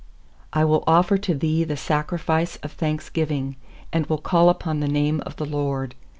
17I will offer to Thee the sacrifice of thanksgiving, And will call upon the name of the LORD.